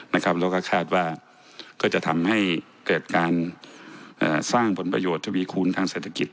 แล้วก็คาดว่าก็จะทำให้เกิดการสร้างผลประโยชน์ทวีคูณทางเศรษฐกิจ